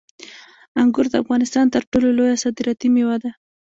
انګور د افغانستان تر ټولو لویه صادراتي میوه ده.